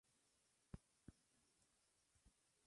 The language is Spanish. En el año tienen siete días para su adoración.